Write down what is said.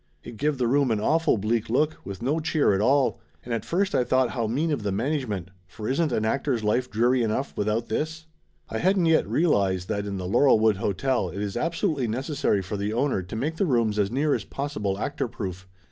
It give the room an awful bleak look, with no cheer at all, and at first I thought how mean of the management, for isn't an actor's life dreary enough without this? I didn't yet realize that in the Laurelwood Hotel it is absolutely necessary for the owner to make the rooms as near as possible actor proof.